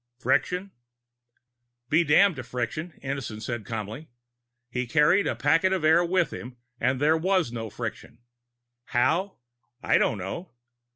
"Friction " "Be damned to friction," Innison said calmly. "He carried a packet of air with him and there was no friction. How? I don't know.